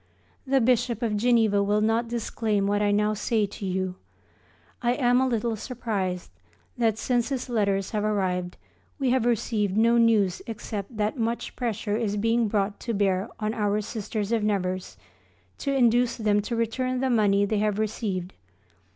The Bishop of Geneva will not disclaim what I now say to you. I am a little surprised that, since his letters have arrived, we have received no news except that much pressure is being brought to bear on our Sisters of Nevers to induce them to return the money they have received.